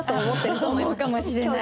思うかもしれない？